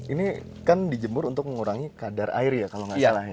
ini kan dijemur untuk mengurangi kadar air ya kalau nggak salah ya